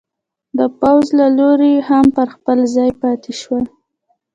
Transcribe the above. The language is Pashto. د پوځ له لوري هم پر خپل ځای پاتې شول.